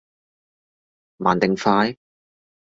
慢定快？